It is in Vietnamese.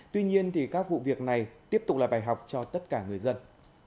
tuy nhiên các vụ việc này tiếp tục là bài học cho tất cả người dân